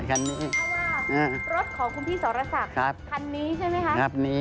คันนี้ใช่ไหมคะ